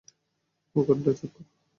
ওখানটা চেক কর।